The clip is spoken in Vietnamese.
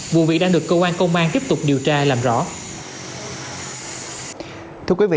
vụ việc đang được cơ quan công an tiếp tục điều tra làm rõ